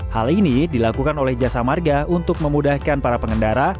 hal ini dilakukan oleh jasa marga untuk memudahkan para pengendara